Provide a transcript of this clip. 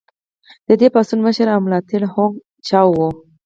د دې پاڅون مشر او ملاتړی هوانګ چائو و.